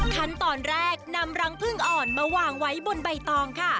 ขั้นตอนแรกนำรังพึ่งอ่อนมาวางไว้บนใบตองค่ะ